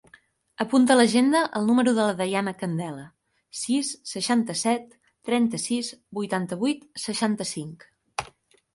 Apunta a l'agenda el número de la Dayana Candela: sis, seixanta-set, trenta-sis, vuitanta-vuit, seixanta-cinc.